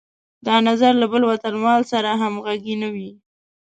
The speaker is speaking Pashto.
دا نظر له بل وطنوال سره همغږی نه وي.